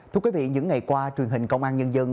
thưa quý vị những ngày qua truyền hình công an nhân dân